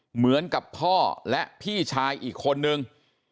เหมือนกับพ่อและพี่ชายอีกคนนึง